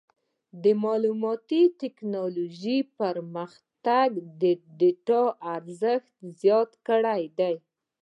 د معلوماتي ټکنالوجۍ پرمختګ د ډیټا ارزښت زیات کړی دی.